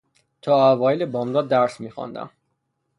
تا اوایل بامداد درس میخواندم.